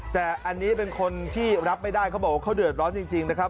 แต่อันนี้เป็นคนที่รับไม่ได้เขาบอกว่าเขาเดือดร้อนจริงนะครับ